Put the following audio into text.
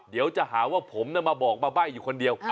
เดี๋ยวจะหาว่าผมมาบอกมาใบ้อยู่คนเดียว